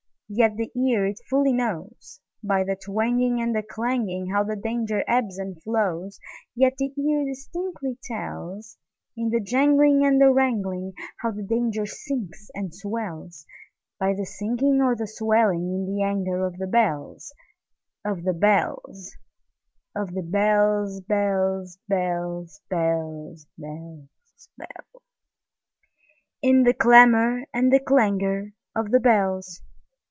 Yet the ear it fully knows, By the twangingAnd the clanging, How the danger ebbs and flows; Yet the ear distinctly tells, In the janglingAnd the wrangling, How the danger sinks and swells,—By the sinking or the swelling in the anger of the bells, Of the bells, Of the bells, bells, bells, bells, Bells, bells, bells—In the clamor and the clangor of the bells!